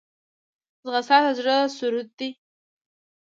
ځغاسته د زړه سرور ده